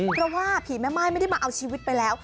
เพราะว่าผีแม่ม่ายไม่ได้มาเอาชีวิตไปแล้ว